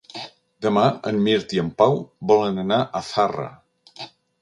Demà en Mirt i en Pau volen anar a Zarra.